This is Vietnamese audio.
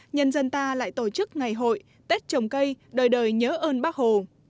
nhân dân ta lại tổ chức ngày hội tết trồng cây đời đời nhớ ơn bác hồ